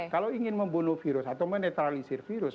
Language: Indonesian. kalau ingin membunuh virus atau menetralisir virus